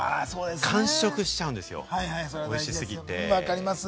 完食しちゃうんですよ、おいしすぎて。